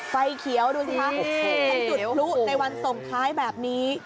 ไฟเขียวดูสิคะทั้งจุดพลุในวันส่งท้ายแบบนี้